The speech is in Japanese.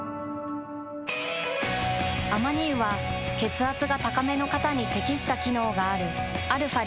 アマニ油は血圧が高めの方に適した機能があるαー